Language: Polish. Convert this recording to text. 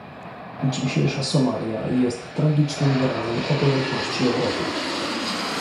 Dzisiejsza Somalia jest tragicznym wyrazem obojętności Europy